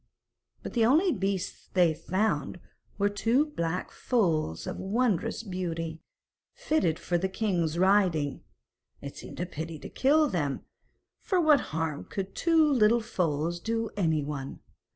But the only beasts they found were two black foals of wondrous beauty, fitted for the king's riding; it seemed a pity to kill them, for what harm could two little foals do anyone?